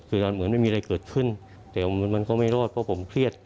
คือเหมือนไม่มีอะไรเกิดขึ้นแต่มันก็ไม่รอดเพราะผมเครียด